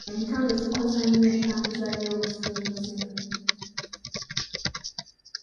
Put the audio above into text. Entalo zikosa nnyo entambuza y'obusuubuzi.